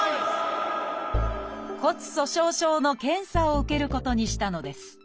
骨粗しょう症の検査を受けることにしたのです。